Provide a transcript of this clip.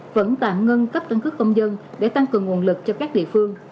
vẫn tạm ngưng cấp căn cước công dân để tăng cường nguồn lực cho các địa phương